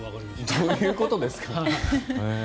どういうことですか。